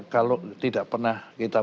kalau tidak pernah kita